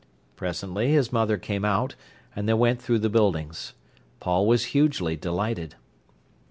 Presently his mother came out, and they went through the buildings. Paul was hugely delighted.